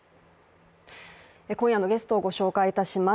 今夜のゲストをご紹介いたします。